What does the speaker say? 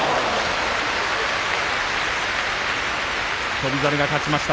翔猿が勝ちました。